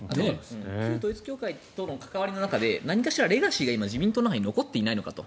旧統一教会との関わりの中で何かしらレガシーが自民党の中に残っていないのかと。